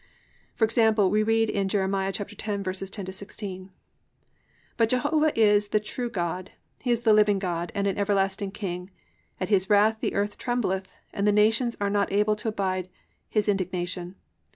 For example, we read in Jer. 10:10 16: +"But Jehovah is the true God; he is the living God, and an everlasting king: at his wrath the earth trembleth, and the nations are not able to abide his indignation.